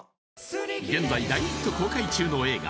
現在大ヒット公開中の映画